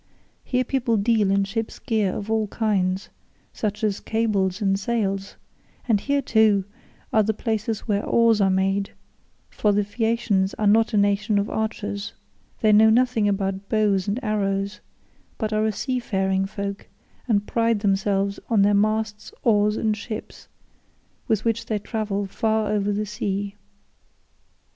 Here people deal in ship's gear of all kinds, such as cables and sails, and here, too, are the places where oars are made, for the Phaeacians are not a nation of archers; they know nothing about bows and arrows, but are a sea faring folk, and pride themselves on their masts, oars, and ships, with which they travel far over the sea.